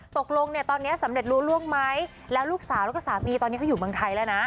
ตกลงเนี่ยตอนนี้สำเร็จรู้ล่วงไหมแล้วลูกสาวแล้วก็สามีตอนนี้เขาอยู่เมืองไทยแล้วนะ